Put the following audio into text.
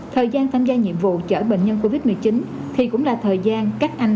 thời gian tham gia nhiệm vụ chở bệnh nhân covid một mươi chín thì cũng là thời gian các anh